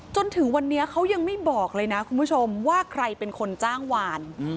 จนถึงวันนี้เขายังไม่บอกเลยนะคุณผู้ชมว่าใครเป็นคนจ้างวาน